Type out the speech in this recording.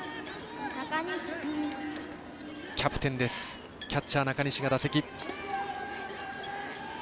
キャプテンキャッチャー中西が打席。